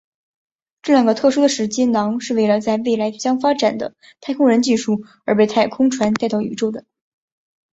这两个特殊的时间囊是为了在未来将发展的太空人技术而被太空船带到宇宙的。